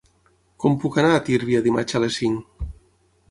Com puc anar a Tírvia dimarts a les cinc?